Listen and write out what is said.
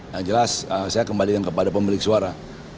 yang jelas saya kembalikan kepada pemilik suara